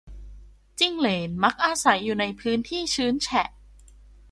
จิ้งเหลน มักอาศัยอยู่ในพื้นที่ชื้นแฉะ